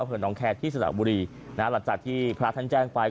อเผิดหนองแคที่สนับบุรีหลังจากที่พระทันแจงไป